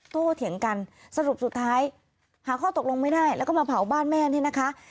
โตเถียงกันสรุปสุดท้ายหาข้อตกลงไม่ได้แล้วก็มาเผาบ้านแม่นี่นะคะ